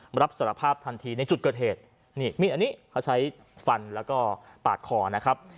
มารับสารภาพทันทีในจุดเกิดเหตุนี่มีดอันนี้เขาใช้ฟันแล้วก็ปาดคอนะครับ